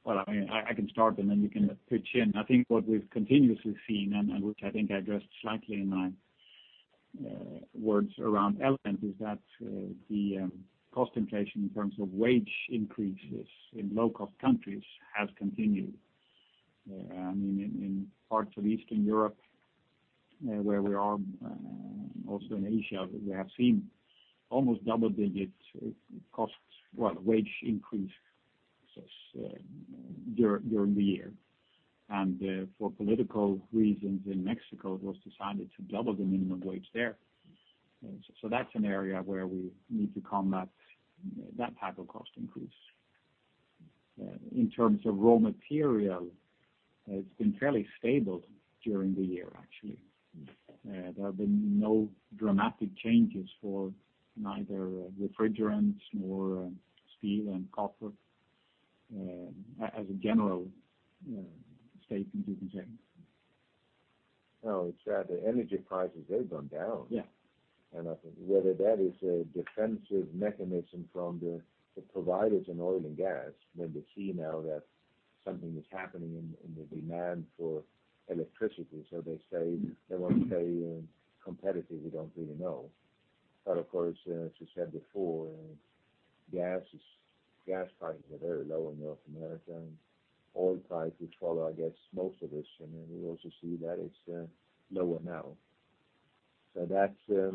Well, I can start, and then you can pitch in. I think what we've continuously seen, and which I think I addressed slightly in my words around Element, is that the cost inflation in terms of wage increases in low-cost countries has continued. In parts of Eastern Europe where we are, also in Asia, we have seen almost double-digit wage increase. Success during the year. For political reasons in Mexico, it was decided to double the minimum wage there. That's an area where we need to combat that type of cost increase. In terms of raw material, it's been fairly stable during the year, actually. There have been no dramatic changes for neither refrigerants nor steel and copper, as a general statement you can say. No, it's that the energy prices have gone down. Yeah. I think whether that is a defensive mechanism from the providers in oil and gas, when they see now that something is happening in the demand for electricity, they want to stay competitive, we don't really know. Of course, as you said before, gas prices are very low in North America, and oil prices follow, I guess, most of this. We also see that it's lower now. That's,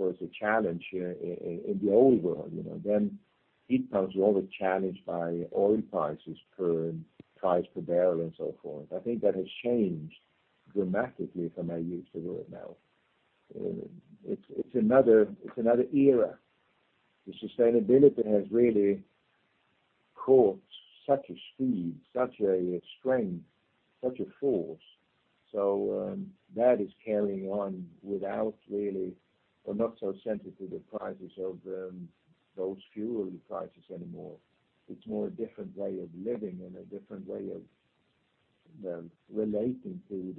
of course, a challenge here in the old world. Heat pumps were always challenged by oil prices per price per barrel and so forth. I think that has changed dramatically from a year to now. It's another era. The sustainability has really caught such a speed, such a strength, such a force. That is carrying on without really, or not so sensitive to the prices of those fuel prices anymore. It's more a different way of living and a different way of relating to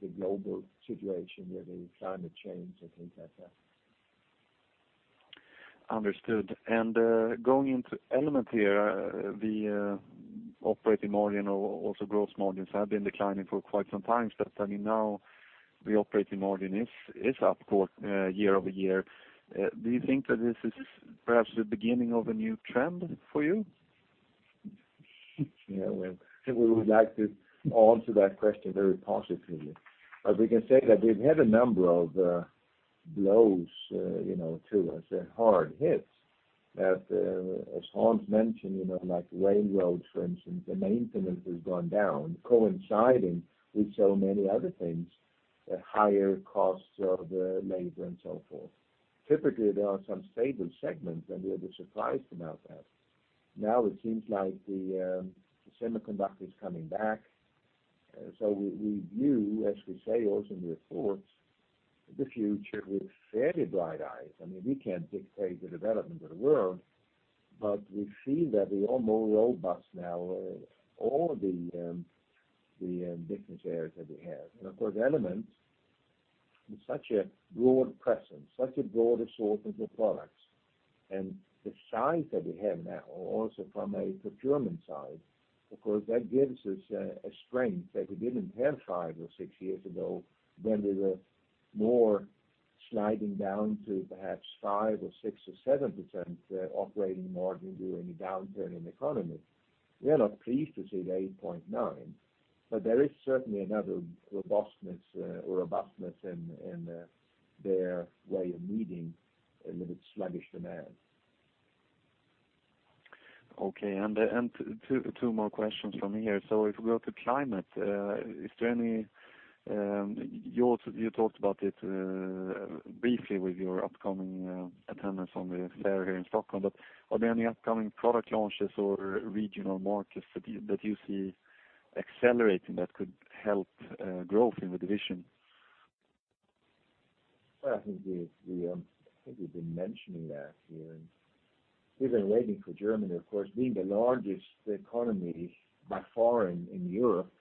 the global situation with the climate change and things like that. Understood. Going into Element here, the operating margin or also gross margins have been declining for quite some time. Now the operating margin is up, of course, year-over-year. Do you think that this is perhaps the beginning of a new trend for you? Yeah, well, I think we would like to answer that question very positively. We can say that we've had a number of blows, to us, hard hits that, as Hans mentioned, like railroads, for instance, the maintenance has gone down coinciding with so many other things, the higher costs of labor and so forth. Typically, there are some stable segments, and we are a bit surprised about that. Now it seems like the semiconductor is coming back. We view, as we say also in the reports, the future with fairly bright eyes. We can't dictate the development of the world, but we feel that we are more robust now in all the business areas that we have. Of course, Element is such a broad presence, such a broad assortment of products. The size that we have now also from a procurement side, of course, that gives us a strength that we didn't have five or six years ago when we were more sliding down to perhaps 5% or 6% or 7% operating margin during a downturn in the economy. We are not pleased to see the 8.9%. There is certainly another robustness in their way of meeting a little sluggish demand. Two more questions from here. If we go to Climate, you talked about it briefly with your upcoming attendance on the fair here in Stockholm, are there any upcoming product launches or regional markets that you see accelerating that could help growth in the division? Well, I think we've been mentioning that here, and we've been waiting for Germany, of course, being the largest economy by far in Europe,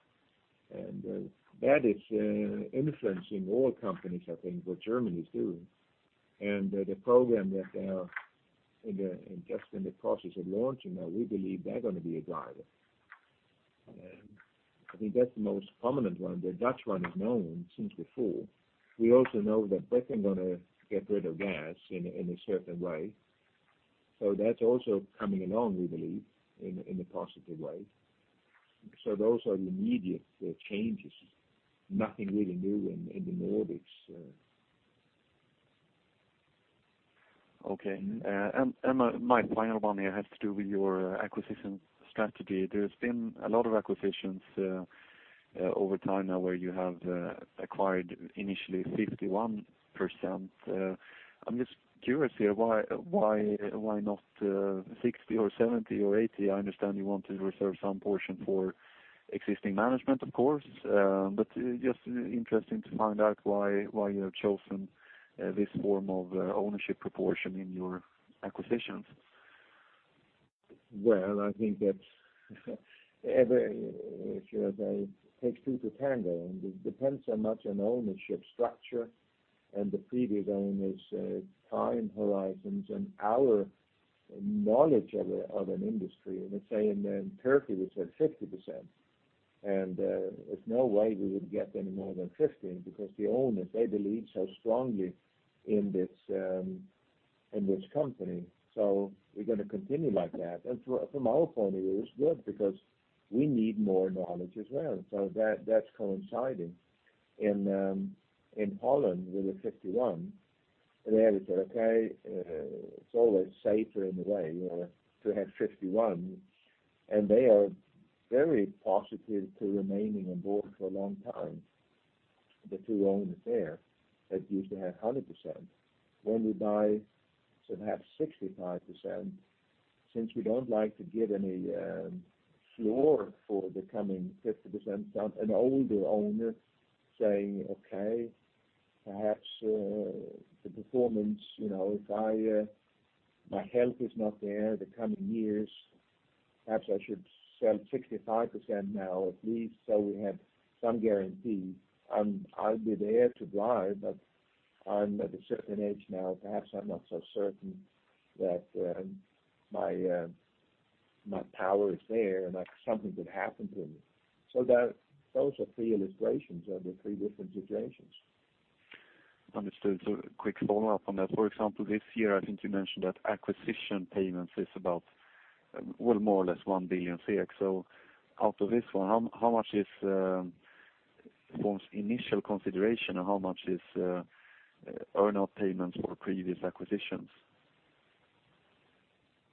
and that is influencing all companies, I think, what Germany is doing. The program that they're just in the process of launching now, we believe they're going to be a driver. I think that's the most prominent one. The Dutch one is known since before. We also know that Britain is going to get rid of gas in a certain way. That's also coming along, we believe, in a positive way. Those are the immediate changes. Nothing really new in the Nordics. Okay. My final one here has to do with your acquisition strategy. There's been a lot of acquisitions over time now where you have acquired initially 51%. I'm just curious here, why not 60% or 70% or 80%? I understand you want to reserve some portion for existing management, of course, but just interesting to find out why you have chosen this form of ownership proportion in your acquisitions. Well, I think that it takes two to tango. It depends so much on ownership structure and the previous owner's time horizons and our knowledge of an industry. Let's say in Turkey, we took 50%. There's no way we would get any more than 50% because the owners, they believe so strongly in this company. We're going to continue like that. From our point of view, it's good because we need more knowledge as well. That's coinciding. In Holland, we were 51%. They said, "Okay, it's always safer in a way to have 51%. They are very positive to remaining on board for a long time. The two owners there that used to have 100%, when we buy perhaps 65%, since we don't like to give any floor for the coming 50% down. An older owner saying, "Okay, perhaps the performance, if my health is not there the coming years, perhaps I should sell 65% now, at least, so we have some guarantee. I'll be there to drive, but I'm at a certain age now, perhaps I'm not so certain that my power is there and that something could happen to me." Those are three illustrations under three different situations. Understood. A quick follow-up on that. For example, this year, I think you mentioned that acquisition payments is about, well, more or less 1 billion. Out of this one, how much is for the initial consideration and how much is earn-out payments for previous acquisitions?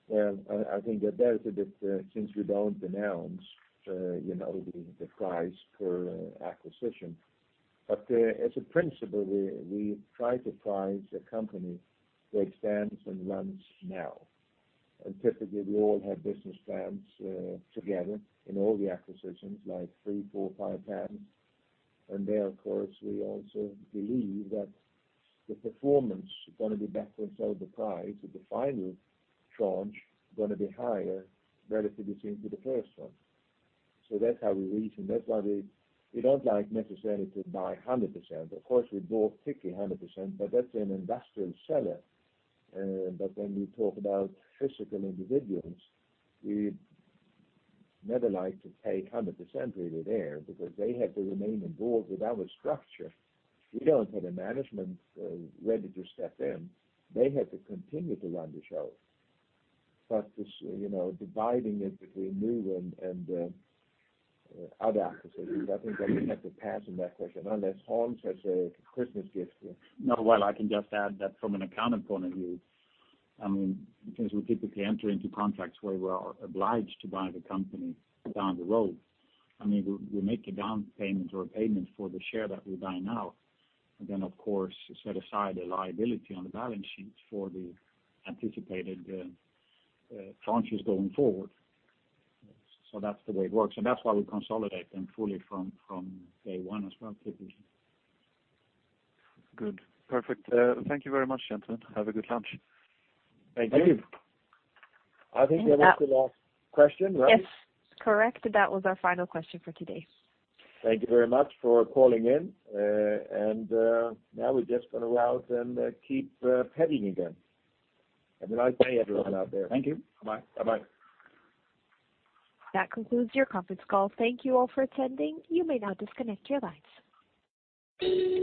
Well, I think that there's a bit, since we don't announce the price per acquisition. As a principle, we try to price a company that expands and runs now. Typically, we all have business plans together in all the acquisitions, like three, four, five times. There, of course, we also believe that the performance is going to be better and so the price of the final tranche going to be higher relative, it seems, to the first one. That's how we reason. That's why we don't like necessarily to buy 100%. Of course, we bought Tiki 100%, but that's an industrial seller. When we talk about physical individuals, we never like to take 100% really there because they have to remain on board with our structure. We don't have a management ready to step in. They have to continue to run the show. Dividing it between new and other acquisitions, I think I will have to pass on that question unless Hans has a Christmas gift here. No. Well, I can just add that from an accounting point of view, because we typically enter into contracts where we are obliged to buy the company down the road. We make a down payment or a payment for the share that we buy now, then, of course, set aside a liability on the balance sheet for the anticipated tranches going forward. That's the way it works. That's why we consolidate them fully from day one as well, typically. Good. Perfect. Thank you very much, gentlemen. Have a good lunch. Thank you. I think that was the last question, right? Yes. Correct. That was our final question for today. Thank you very much for calling in. Now we're just going to go out and keep pedaling again. Have a nice day, everyone out there. Thank you. Bye-bye. Bye-bye. That concludes your conference call. Thank you all for attending. You may now disconnect your lines.